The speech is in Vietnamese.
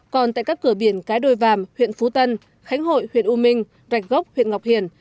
còn tại các cửa biển cái đôi vàm huyện phú tân khánh hội huyện u minh rạch gốc huyện ngọc hiển